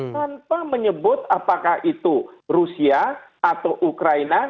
tanpa menyebut apakah itu rusia atau ukraina